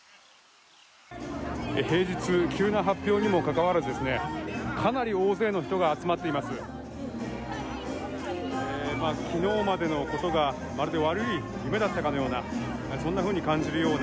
平日急な発表にもかかわらずかなり大勢の人が集まっています。